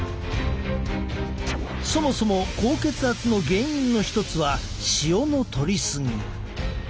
そもそも高血圧の原因の一つは塩のとり過ぎ。